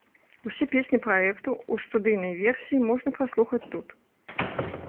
Усе песні праекту ў студыйнай версіі можна паслухаць тут.